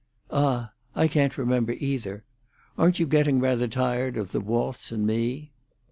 "Ah, I can't remember, either! Aren't you getting rather tired of the waltz and me?"